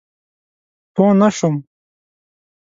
پوه نه شوم؟